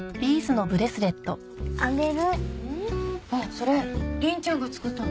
それ凛ちゃんが作ったの？